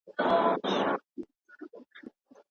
پرمختیایي ټولني نویو پانګونو ته اړتیا لري.